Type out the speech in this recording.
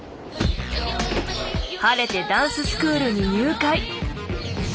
晴れてダンススクールに入会！